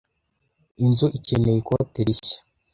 Inzu ikeneye ikote rishya.